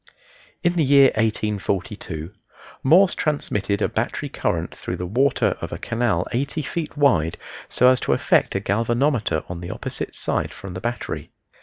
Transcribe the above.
In the year 1842 Morse transmitted a battery current through the water of a canal eighty feet wide so as to affect a galvanometer on the opposite side from the battery.